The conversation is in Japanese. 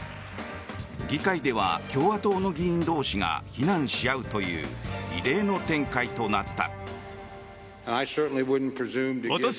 議会では共和党の議員同士が非難し合うという異例の展開となった。